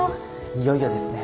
いよいよですね。